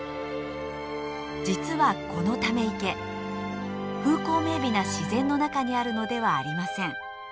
実はこのため池風光明美な自然の中にあるのではありません。